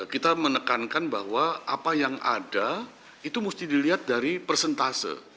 kita menekankan bahwa apa yang ada itu mesti dilihat dari persentase